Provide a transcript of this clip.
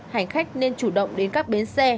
hành khách nên chủ động đến các bến xe